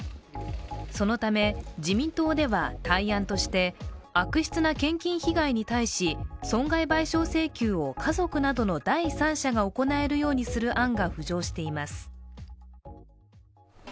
そのため、自民党では対案として、悪質な献金被害に対し損害賠償請求を家族などの第三者が行えるようにする案が浮上しています。